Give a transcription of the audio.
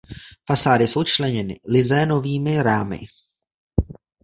Fasády jsou členěny lizénovými rámy.